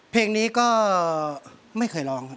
เพลงนี้ก็ไม่เคยร้องครับ